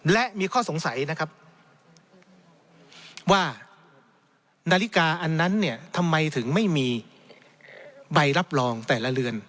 และมีข้อสงสัยนะครับว่านาฬิกาอันนั้นเนี่ยทำไมถึงไม่มีใบรับรองแต่ละเรือน